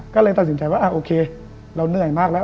ก็เลยตัดสินใจว่าโอเคเราเหนื่อยมากแล้ว